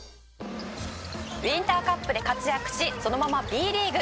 「ウインターカップで活躍しそのままＢリーグ